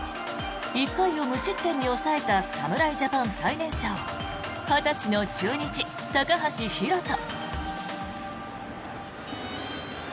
１回を無失点に抑えた侍ジャパン最年少２０歳の中日、高橋宏斗。